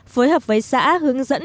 phối hợp với xã hướng dẫn